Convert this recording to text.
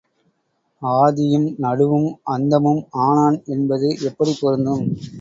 ஆதியும் நடுவும் அந்தமும் ஆனான் என்பது எப்படிப் பொருந்தும்?